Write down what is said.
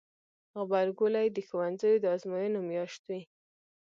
غبرګولی د ښوونځیو د ازموینو میاشت وي.